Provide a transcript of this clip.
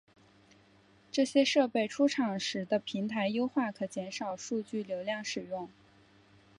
这些设备出厂时的平台优化可减少数据流量使用。